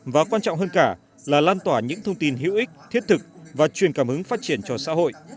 và quan trọng hơn cả là lan tỏa những thông tin hữu ích thiết thực và truyền cảm hứng phát triển cho xã hội